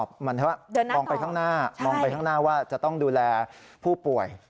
เหมือนว่ามองไปข้างหน้ามองไปข้างหน้าว่าจะต้องดูแลผู้ป่วย